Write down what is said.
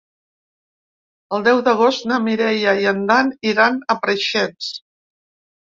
El deu d'agost na Mireia i en Dan iran a Preixens.